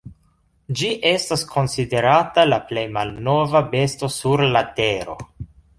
Ĝi estas konsiderata la plej malnova besto sur la Tero.